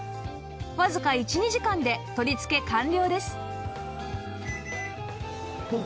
わずか１２時間で取り付け完了です